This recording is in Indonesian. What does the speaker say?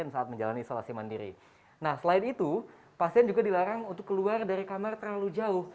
selain itu pasien juga dilarang untuk keluar dari kamar terlalu jauh